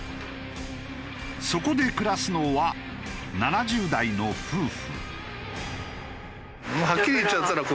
そこで暮らすのは７０代の夫婦。